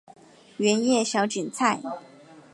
圆叶小堇菜